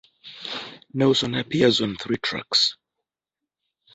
Nelson appears on three tracks.